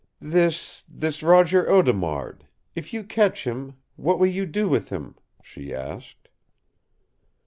"This this Roger Audemard if you catch him what will you do with him?" she asked.